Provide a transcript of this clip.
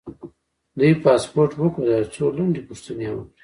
دوی پاسپورټ وکوت او یو څو لنډې پوښتنې یې وکړې.